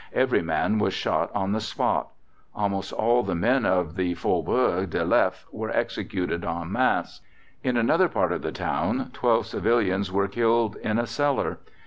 Every man was shot on the spot. Almost all the men of the Faubourg de Leffe were executed en masse. In another part of the town 12 civilians were killed in a cellar.